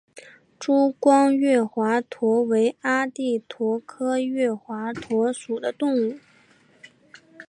珠光月华螺为阿地螺科月华螺属的动物。